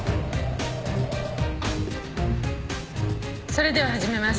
それでは始めます。